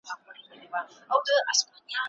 خاوند کولای سي د خپلي ميرمني بدن ته وګوري.